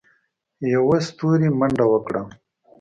يوه ستوري منډه وکړه.